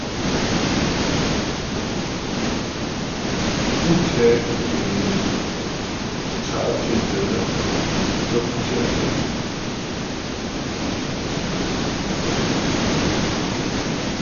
Pú tɛ də̀m né cǎ' pfyə̂tə nə́ tə́ pú kyə̂tə.